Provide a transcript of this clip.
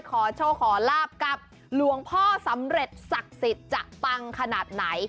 ขอโชคขอลาบกับหลวงพ่อสำเร็จศักดิ์สิทธิ์จะปังขนาดไหน